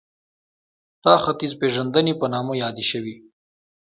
دا ختیځپېژندنې په نامه یادې شوې